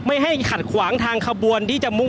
ก็น่าจะมีการเปิดทางให้รถพยาบาลเคลื่อนต่อไปนะครับ